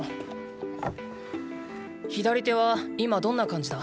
左手は今どんな感じだ？